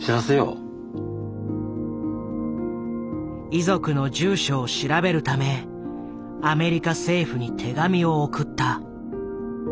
遺族の住所を調べるためアメリカ政府に手紙を送った。